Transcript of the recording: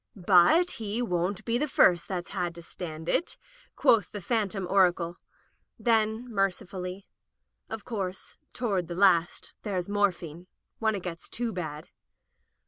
"But he won't be the first that's had to stand it," quoth this phantom oracle; then, mercifully: "Of course, toward the last there's morphine — when it gets too bad."